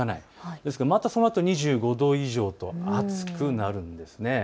ですが、そのあとまた２５度以上と暑くなるんです。